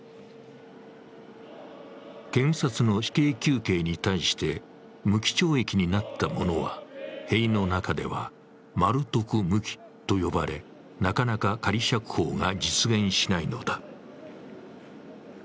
検察の死刑求刑に対して無期懲役になった者は、塀の中ではマル特無期と呼ばれなかなか仮釈放が実現しないのだ。